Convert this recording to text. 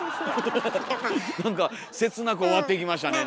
なんか切なく終わっていきましたね。